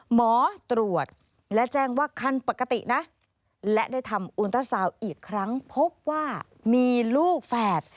หมอตรวจและแจ้งว่าคันปกตินะและได้ทำอุณเตอร์ซาวน์อีกครั้งพบว่ามีลูกแฝด